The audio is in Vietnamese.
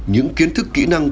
những kiến thức kỹ năng